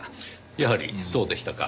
やはりそうでしたか。